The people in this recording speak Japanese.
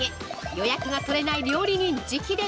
予約が取れない料理人直伝！